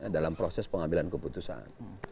dalam proses pengambilan keputusan